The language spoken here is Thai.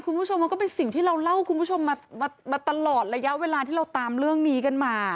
คุณผู้ชมมันก็เป็นสิ่งที่เราเล่าคุณผู้ชมมาตลอดระยะเวลาที่เราตามเรื่องนี้กันมา